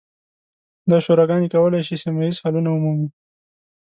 دا شوراګانې کولی شي سیمه ییز حلونه ومومي.